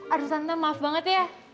aduh santa maaf banget ya